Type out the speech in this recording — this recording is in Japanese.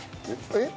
えっ？